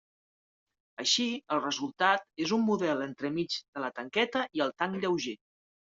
Així, el resultat és un model entremig de la tanqueta i el tanc lleuger.